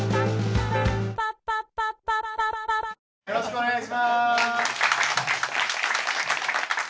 ・よろしくお願いします。